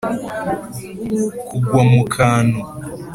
kugwa mu kantu